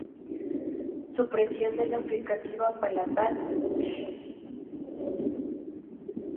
Supresión de la fricativa palatal, sh.